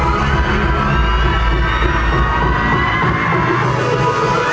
ไม่ต้องถามไม่ต้องถาม